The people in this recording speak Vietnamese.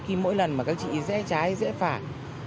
khi mỗi lần các chị dễ trái dễ phải